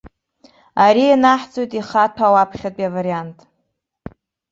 Ара ианаҳҵоит ихаҭәаау аԥхьатәи авариант.